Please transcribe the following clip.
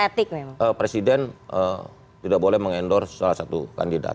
jadi kalau presiden tidak boleh mengendorse salah satu kandidat